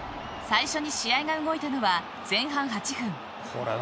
最初に試合が動いたのは前半８分。